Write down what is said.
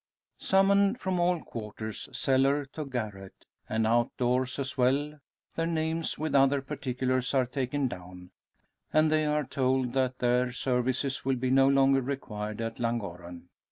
Summoned from all quarters, cellar to garret, and out doors as well, their names, with other particulars, are taken down; and they are told that their services will be no longer required at Llangorren.